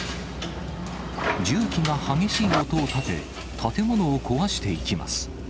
重機が激しい音を立て、建物を壊していきます。